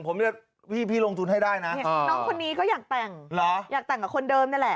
ผมเรียกพี่พี่ลงทุนให้ได้นะน้องคนนี้ก็อยากแต่งเหรออยากแต่งกับคนเดิมนั่นแหละ